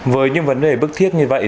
với những vấn đề bức thiết như vậy